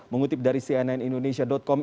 mengutip dari cnnindonesia com